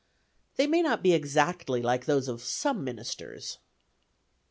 They may not be exactly like those of some ministers.